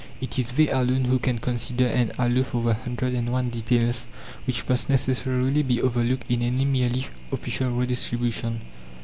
It is they alone who can consider and allow for the hundred and one details which must necessarily be overlooked in any merely official redistribution.